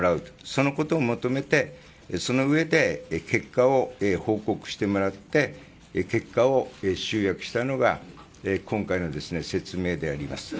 そのことを求めて、そのうえで結果を報告してもらって結果を集約したのが今回の説明であります。